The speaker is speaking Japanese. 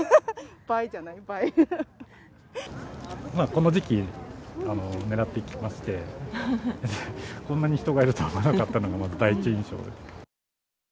この時期狙ってきまして、こんなに人がいると思わなかったのが第一印象です。